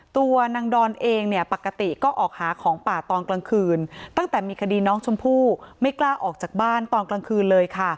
ตัวนางดอนเองเนี่ยปกติก็ออกหาของป่าตอนกลางคืนตั้งแต่มีคดีน้องชมพู่ไม่กล้าออกจากบ้านตอนกลางคืนเลยค่ะ